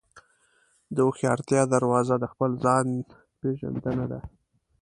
د هوښیارتیا دروازه د خپل ځان پېژندنه ده.